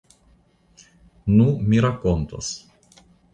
Nu, mi rakontos.